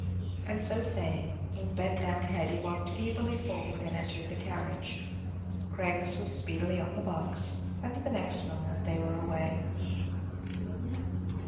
And so saying, with bent down head he walked feebly forward and entered the carriage. Craggs was speedily on the box, and the next moment they were away.